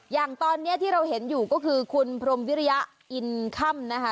อย่างตอนนี้ที่เราเห็นอยู่ก็คือคุณพรมวิริยะอินค่ำนะคะ